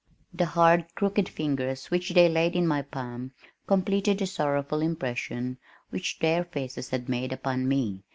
The hard, crooked fingers, which they laid in my palm completed the sorrowful impression which their faces had made upon me.